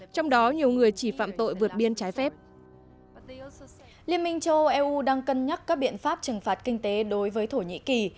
liên minh châu âu đang cân nhắc các biện pháp trừng phạt kinh tế đối với thổ nhĩ kỳ